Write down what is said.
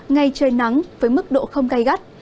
ngày trời nắng với mức độ không cay gắt